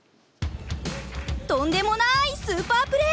とんでもないスーパープレー。